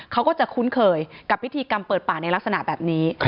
เขาก็จะคุ้นเคยกับพิธีกรรมเปิดป่าในลักษณะแบบนี้